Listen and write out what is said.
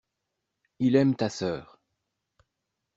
Il aime ta sœur.